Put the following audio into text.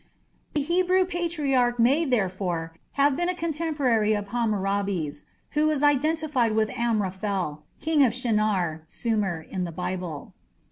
The Hebrew patriarch may therefore have been a contemporary of Hammurabi's, who is identified with Amraphel, king of Shinar (Sumer) in the Bible.